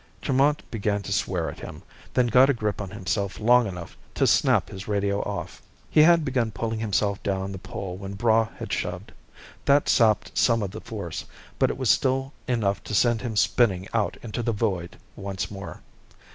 Tremont began to swear at him, then got a grip on himself long enough to snap his radio off. He had begun pulling himself down the pole when Braigh had shoved. That sapped some of the force, but it was still enough to send him spinning out into the void once more.